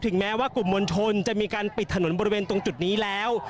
แม้ว่ากลุ่มมวลชนจะมีการปิดถนนบริเวณตรงจุดนี้แล้ว